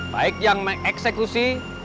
baik yang mengeksekusi